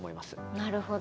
なるほど。